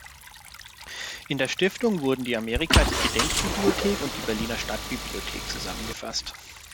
In der Stiftung wurden die Amerika-Gedenkbibliothek und die Berliner Stadtbibliothek zusammengefasst.